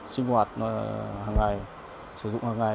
sinh hoạt hàng ngày sử dụng hàng ngày